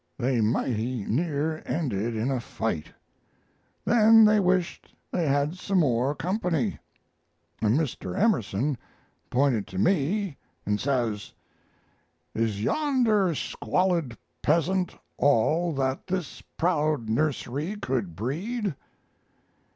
They mighty near ended in a fight. Then they wished they had some more company, and Mr. Emerson pointed to me and says: "'Is yonder squalid peasant all That this proud nursery could breed?'